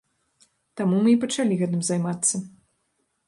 Таму мы і пачалі гэтым займацца.